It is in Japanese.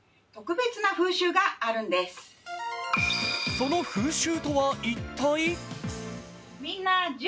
その風習とは一体？